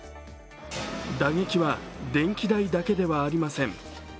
打撃は電気代だけではありません。